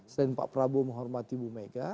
selain pak prabowo menghormati bu mega